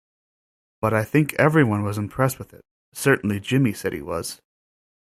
But I think everyone was impressed with it; certainly Jimmy said he was.